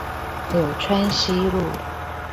柳川西路